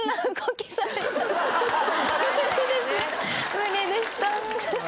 無理でした。